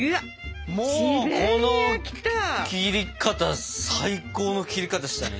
もうこの切り方最高の切り方したね